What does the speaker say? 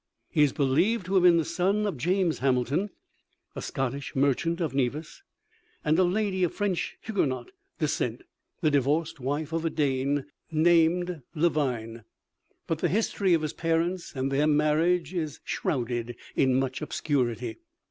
He is believed to have been the son of James Hamilton, a Scottish merchant of Nevis, and a lady of French Hugenot descent, the divorced wife of a Dane named Lavine. But the history of his parents and their marriage is shrouded in much obscurity.